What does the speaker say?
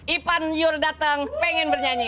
ipan yur datang pengen bernyanyi